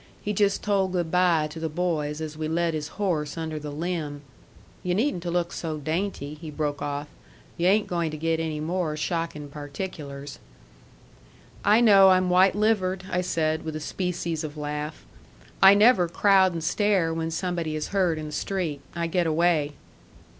He just told good by to the boys as we led his horse under the limb you needn't to look so dainty," he broke off. "You ain't going to get any more shocking particulars." "I know I'm white livered," I said with a species of laugh. "I never crowd and stare when somebody is hurt in the street. I get away."